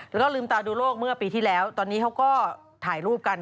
แล้วก็ลืมตาดูโลกเมื่อปีที่แล้วตอนนี้เขาก็ถ่ายรูปกัน